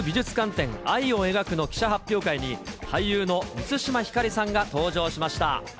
展愛を描くの記者発表会に、俳優の満島ひかりさんが登場しました。